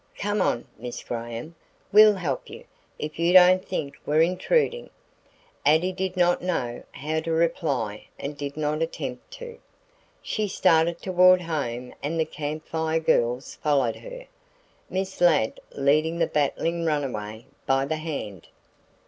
Come on, Miss Graham, we'll help you, if you don't think we're intruding." Addie did not know how to reply and did not attempt to. She started toward home and the Camp Fire Girls followed her, Miss Ladd leading the battling runaway by the hand.